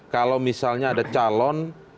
kalau misalnya ada calon